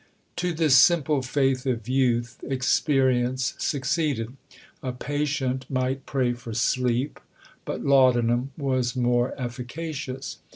To this simple faith of youth, experience succeeded. A patient might pray for sleep, but laudanum was more efficacious.